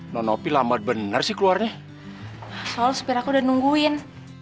nonopi lambat benar sih keluarnya soal sepir aku udah nungguin